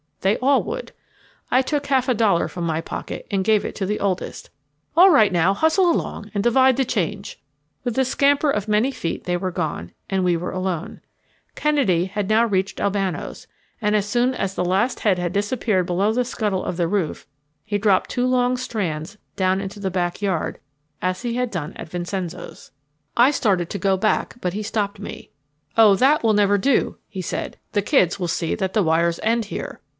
They all would. I took a half dollar from my pocket and gave it to the oldest. "All right now, hustle along, and divide the change." With the scamper of many feet they were gone, and we were alone. Kennedy had now reached Albano's, and as soon as the last head had disappeared below the scuttle of the roof he dropped two long strands down into the back yard, as he had done at Vincenzo's. I started to go back, but he stopped me. "Oh, that will never do," he said. "The kids will see that the wires end here.